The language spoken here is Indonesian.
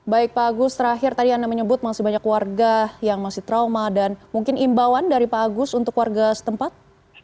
baik pak agus terakhir tadi anda menyebut masih banyak warga yang masih trauma dan mungkin imbauan dari pak agus untuk warga setempat